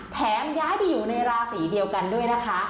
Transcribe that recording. แถมย้ายไปอยู่ในราศีเดียวกันด้วยนะคะ